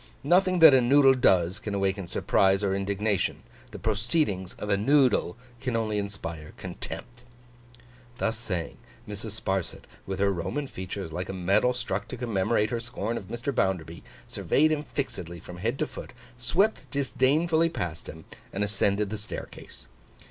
Nothing that a Noodle does, can awaken surprise or indignation; the proceedings of a Noodle can only inspire contempt.' Thus saying, Mrs. Sparsit, with her Roman features like a medal struck to commemorate her scorn of Mr. Bounderby, surveyed him fixedly from head to foot, swept disdainfully past him, and ascended the staircase.